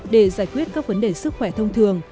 để giải quyết các vấn đề sức khỏe thông thường